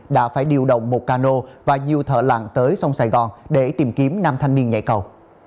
đã phải điều động một cano và nhiều thợ lặn tới sông sài gòn để tìm kiếm nam thanh niên nhảy cầu